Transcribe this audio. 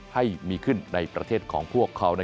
ให้มีขึ้นในประเทศของพวกเขา